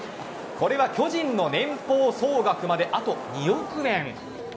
これは巨人の年俸総額まであと２億円。